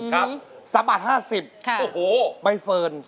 กับสับบาท๕๐ใบเฟิร์น